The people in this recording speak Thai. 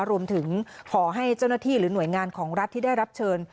รวมถึงขอให้เจ้าหน้าที่หรือหน่วยงานของรัฐที่ได้รับเชิญ